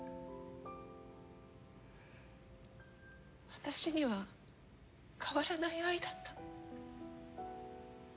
私には変わらない愛だった。